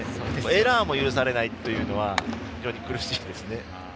エラーも許されないというのは苦しいですね。